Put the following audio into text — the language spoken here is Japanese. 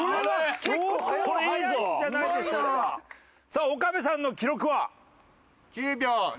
さあ岡部さんの記録は。